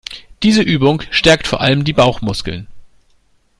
Diese Übung stärkt vor allem die Bauchmuskeln.